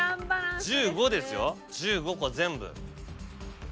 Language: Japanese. １５ですよ１５個全部。